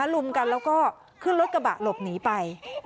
ลุมกันแล้วก็ขึ้นรถกระบะหลบหนีไป